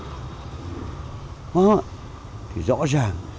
thì rõ ràng